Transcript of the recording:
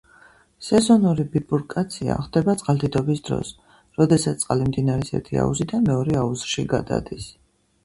სეზონური ბიფურკაცია ხდება წყალდიდობის დროს, როდესაც წყალი მდინარის ერთი აუზიდან მეორე აუზში გადადის.